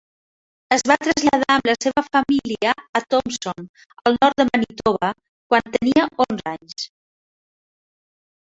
Es va traslladar amb la seva família a Thompson, al nord de Manitoba, quan tenia onze anys.